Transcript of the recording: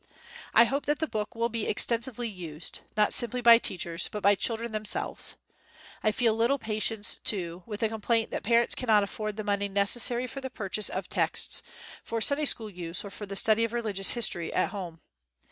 I hope that the book will be extensively used, not simply by teachers, but by children themselves. I feel little patience, too, with xii INTRODUCTION the complaint that parents cannot afford the money necessary for the purchase of texts, for Sunday school use or for the study of religious history at home.